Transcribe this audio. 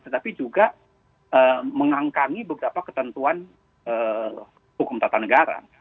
tetapi juga mengangkangi beberapa ketentuan hukum tata negara